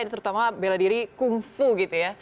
terutama bela diri kung fu gitu ya